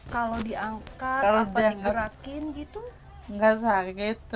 kalau diangkat apa digerakin gitu